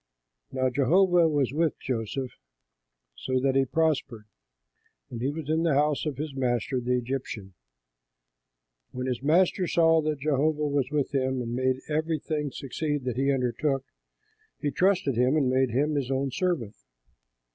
Now Jehovah was with Joseph, so that he prospered; and he was in the house of his master, the Egyptian. When his master saw that Jehovah was with him and made everything succeed that he undertook, he trusted him and made him his own servant.